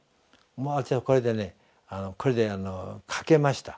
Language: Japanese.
もう私はこれでねこれで賭けました。